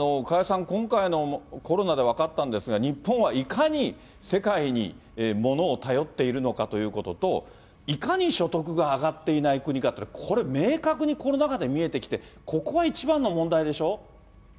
加谷さん、今回のコロナで分かったんですが、日本はいかに世界にものを頼っているのかということと、いかに所得が上がっていない国かっていうのが、これ、明確にコロナ禍で見えてきて、ここが一番の問題でしょ？